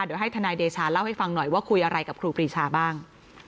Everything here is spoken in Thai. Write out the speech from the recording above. เดี๋ยวให้ทนายเดชาเล่าให้ฟังหน่อยว่าคุยอะไรกับครูปรีชาบ้าง